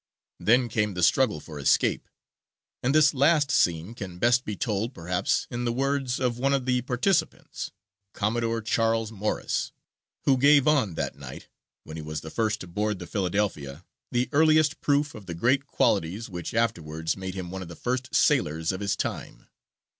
Then came the struggle for escape, and this last scene can best be told, perhaps, in the words of one of the participants, Commodore Charles Morriss, who gave on that night, when he was the first to board the Philadelphia, the earliest proof of the great qualities which afterwards made him one of the first sailors of his time.